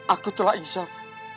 aku telah insaf